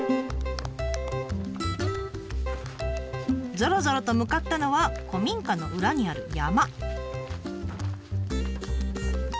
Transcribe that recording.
ぞろぞろと向かったのは古民家の裏にある山。